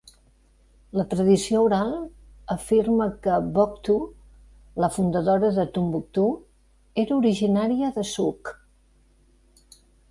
La tradició oral afirma que Boctou, la fundadora de Tombouctou, era originària d'Essouk.